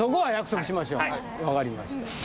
分かりました。